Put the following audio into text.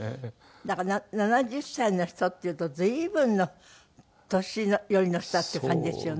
だから７０歳の人っていうと随分の年寄りの人だっていう感じですよね。